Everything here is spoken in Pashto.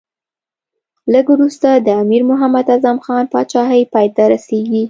لږ وروسته د امیر محمد اعظم خان پاچهي پای ته رسېږي.